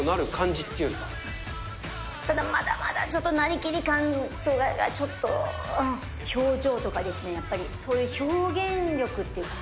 じっただ、まだまだなりきり感が、ちょっと、表情とかですね、やっぱり、そういう表現力っていうか。